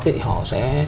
thì họ sẽ